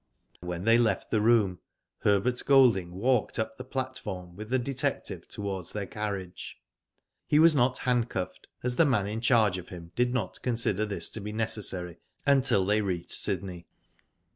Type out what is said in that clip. When they left the room, Herbert Golding walked up the platform with the detective towards their carriage. He was not handcuffed, as the man in charge of him did not consider this to be necessary until they reached Sydney.